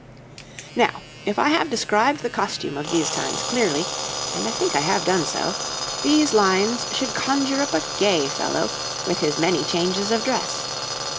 Now, if I have described the costume of these times clearly and I think I have done so these lines should conjure up a gay fellow, with his many changes of dress.